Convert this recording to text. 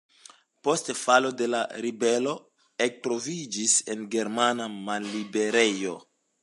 Post falo de la ribelo ektroviĝis en germana malliberejo.